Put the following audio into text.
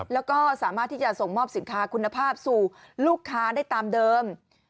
แล้วก็สามารถที่จะส่งมอบสินค้าคุณภาพสู่ลูกค้าได้ตามเดิม